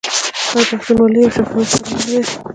آیا پښتونولي یو شفاهي قانون نه دی؟